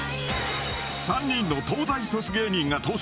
３人の東大卒芸人が登場